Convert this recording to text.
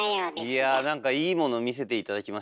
いやなんかいいもの見せて頂きました。